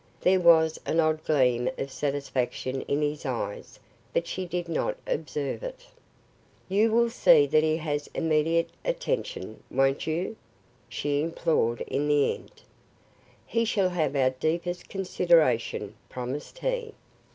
There was an odd gleam of satisfaction in his eyes, but she did not observe it. "You will see that he has immediate attention, won't you?" she implored in the end. "He shall have our deepest consideration," promised he.